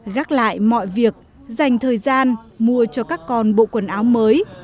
gác lại mọi việc dành thời gian mua cho các con bộ quần áo mới